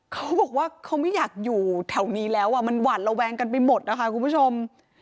เขาบอกว่าเขาไม่อยากอยู่แถวนี้แล้วมันหวาดระแวงกันไปหมดนะคะคุณผู้ชม